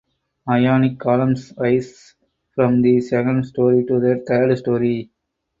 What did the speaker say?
Ionic columns rise from the second story to the third story.